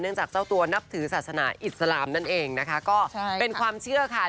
จากเจ้าตัวนับถือศาสนาอิสลามนั่นเองนะคะก็เป็นความเชื่อค่ะ